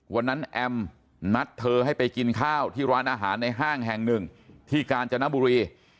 แอมนัดเธอให้ไปกินข้าวที่ร้านอาหารในห้างแห่งหนึ่งที่กาญจนบุรี